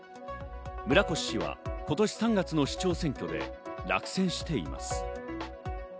村越氏は今年３月の市長選挙で落選しています。